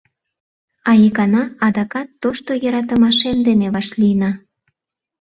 А икана адакат тошто йӧратымашем дене вашлийна...